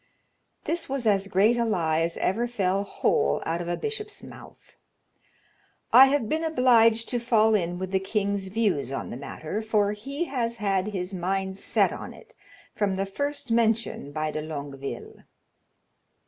This was as great a lie as ever fell whole out of a bishop's mouth. "I have been obliged to fall in with the king's views on the matter, for he has had his mind set on it from the first mention by de Longueville."